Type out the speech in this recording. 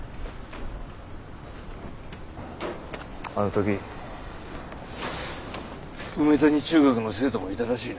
あの時梅谷中学の生徒もいたらしいね。